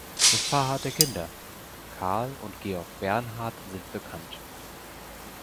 Das Paar hatte Kinder (Carl und Georg Bernhard sind bekannt).